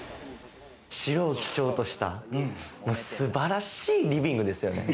白を基調とした素晴らしいリビングですよね。